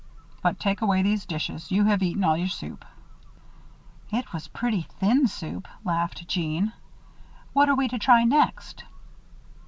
But take away these dishes you have eaten all your soup." "It was pretty thin soup," laughed Jeanne. "What are we to try next?"